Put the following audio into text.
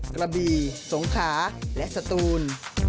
กระบีสงขาและสตูน